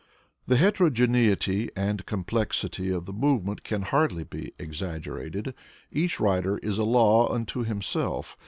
The heterogeneity and complexity of the movement can hardly be exaggerated. Each writer is a law unto him self.